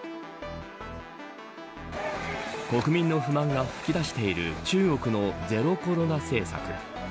国民の不満が噴き出している中国のゼロコロナ政策。